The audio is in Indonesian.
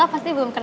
eh bangkuan men